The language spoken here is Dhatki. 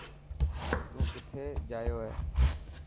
تون ڪٿي جايو هي.